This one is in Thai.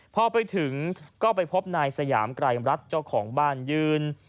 พอไปถึงก็ไปพบนายสยามไกรรัฐเจ้าของบ้านยืน